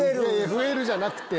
増えるじゃなくて。